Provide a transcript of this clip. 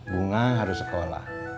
bunga harus sekolah